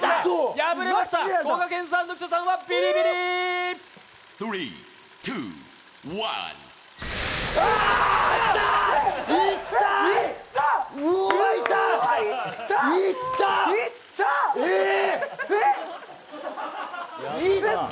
破れましたこがけんさんと浮所さんはビリビリ！いった！